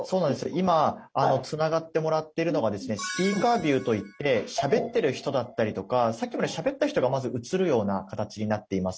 今つながってもらってるのがですね「スピーカービュー」といってしゃべってる人だったりとかさっきまでしゃべった人がまず映るような形になっています。